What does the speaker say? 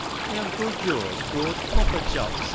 " My uncle Joe's co'de ' Flopper Chops